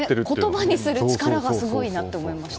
言葉にする力がすごいと思いました。